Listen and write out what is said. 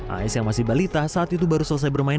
as yang masih balita saat itu baru selesai bermain